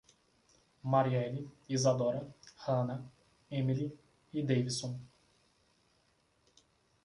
Mariele, Izadora, Hanna, Emile e Deivison